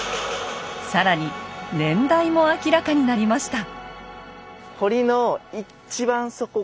更に年代も明らかになりました。